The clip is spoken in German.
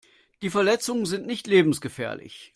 Die Verletzungen sind nicht lebensgefährlich.